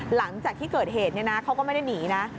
หลังจากที่เกิดเหตุเขาก็ไม่ได้หนีนะ